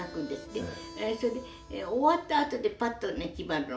それで終わったあとでパッと決まるの。